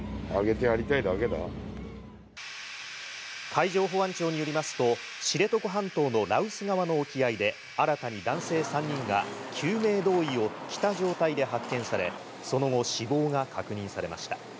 海上保安庁によりますと知床半島の羅臼側の沖合で、新たに男性３人が救命胴衣を着た状態で発見され、その後、死亡が確認されました。